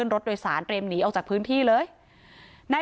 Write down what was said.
ไปโบกรถจักรยานยนต์ของชาวอายุขวบกว่าเองนะคะ